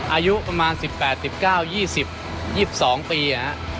อายุประมาณ๑๘๑๙๒๐๒๒ปี